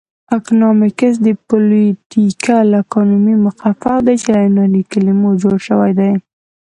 اکنامکس د پولیټیکل اکانومي مخفف دی چې له یوناني کلمو جوړ شوی دی